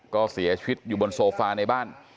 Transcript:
ก็เสียชีวิตอยู่บนโซฟาในบ้าน